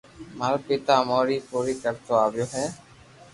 مارو پيتا امو ري پوري ڪرتو آويو ھي